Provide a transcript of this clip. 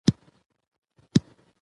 ځمکنی شکل د افغانستان د ملي هویت نښه ده.